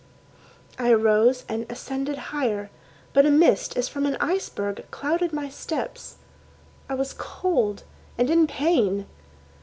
I arose and ascended higher, but a mist as from an iceberg Clouded my steps. I was cold and in pain.